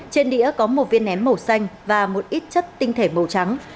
trên đĩa có một viên ném màu xanh và một ít chất tinh thể màu trắng